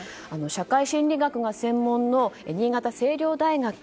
社会心理学が専門の新潟青陵大学